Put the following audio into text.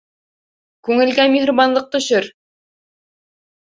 Күңелгә миһырбанлыҡ төшөр.